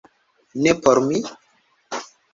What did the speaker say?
- Ne por mi?